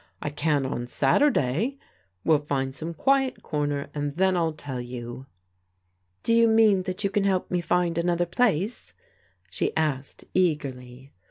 I can on Saturday. We'll find some quiet comer and then I'll tell you." " Do you mean that you can find me another place?" she asked eagerly.